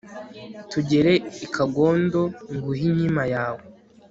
tugere i kagondo nguhe inkima yawe